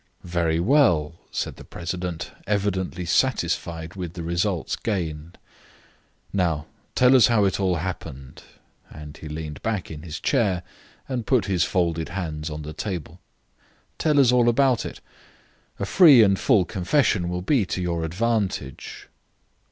"Very well," said the president, evidently satisfied with the results gained. "Now tell us how it all happened," and he leaned back in his chair and put his folded hands on the table. "Tell us all about it. A free and full confession will be to your advantage."